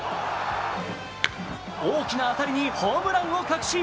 大きな当たりにホームランを確信。